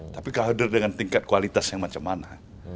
tapi kader dengan tingkat kualitas yang macam mana